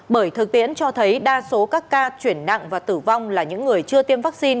bởi thực tiễn cho thấy đa số các ca chuyển nặng và tử vong là những người chưa tiêm vaccine